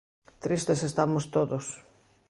_Tristes estamos todos.